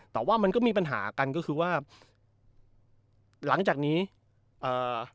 แต่ว่ามันก็มีปัญหากันก็คือว่าหลังจากนี้เอ่อ